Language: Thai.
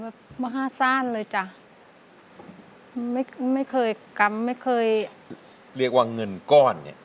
มาห้าซ่านเลยจ้ะไม่ไม่เคยกำไม่เคยเรียกว่าเงินก้อนเนี้ย